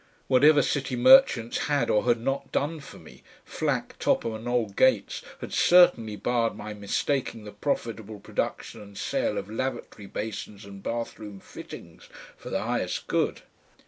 Whatever City Merchants had or had not done for me, Flack, Topham and old Gates had certainly barred my mistaking the profitable production and sale of lavatory basins and bathroom fittings for the highest good.